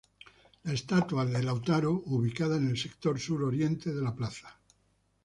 La estatua de Lautaro, ubicada en el sector sur-oriente de la plaza.